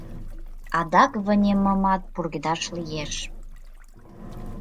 Адак вынемымат пургедаш лиеш.